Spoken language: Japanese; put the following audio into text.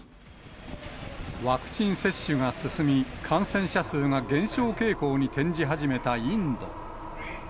ワクチン接種が進み、感染者数が減少傾向に転じ始めたインド。